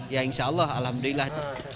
ya insya allah alhamdulillah